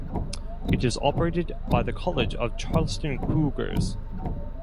It is operated by the College of Charleston Cougars.